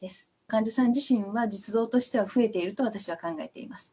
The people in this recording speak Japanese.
患者さん自身は、実情としては増えていると、私は考えています。